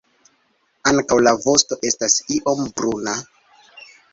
Ankaŭ la vosto estas iom bruna.